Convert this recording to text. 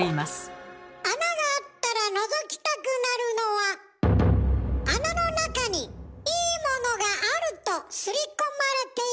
穴があったらのぞきたくなるのは穴の中にいいモノがあるとすり込まれているから。